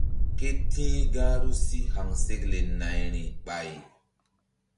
Ke ti̧h gahru si haŋsekle nayri ɓay.